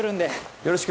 よろしく。